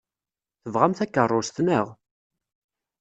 Tebɣam takeṛṛust, naɣ?